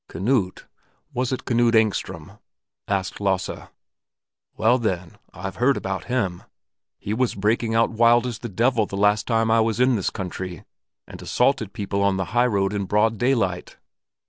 "Knut? Was it Knut Engström?" asked Lasse. "Well, then, I've heard about him. He was breaking out as wild as the devil the last time I was in this country, and assaulted people on the high road in broad daylight.